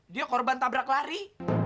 dia korban tabrak lari